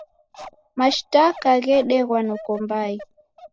Mashtaka ghedeghwa noko mbai.